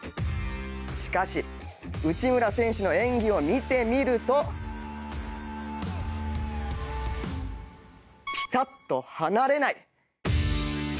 しかし内村選手の演技を見てみるとピタッと離れない。